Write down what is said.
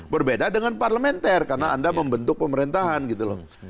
berbeda dengan parlementer karena anda membentuk pemerintahan gitu loh